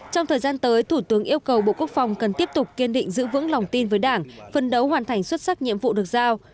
trong thời gian tới thủ tướng yêu cầu bộ quốc phòng cần tiếp tục kiên định giữ vững lòng tin với đảng phân đấu hoàn thành xuất sắc nhiệm vụ được giao